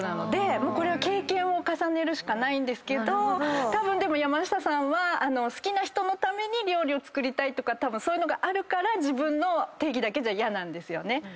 もうこれは経験を重ねるしかないんですけど山下さんは好きな人のために料理を作りたいとかたぶんそういうのがあるから自分の定義だけじゃ嫌なんですよね。